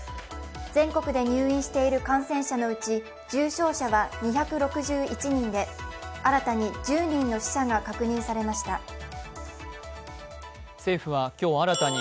全国で入院している感染者のうち重症者は２６１人で新たに１０人の死者が確認されました。